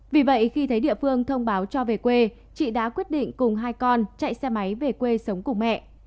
vì vậy khi thấy địa phương thông báo cho về quê chị đã quyết định cùng hai con chạy xe máy về quê sống cùng mẹ